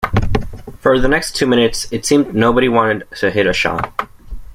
For the next two minutes, it seemed nobody wanted to hit a shot.